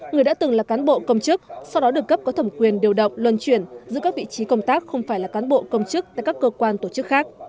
người đã từng là cán bộ công chức sau đó được cấp có thẩm quyền điều động luân chuyển giữ các vị trí công tác không phải là cán bộ công chức tại các cơ quan tổ chức khác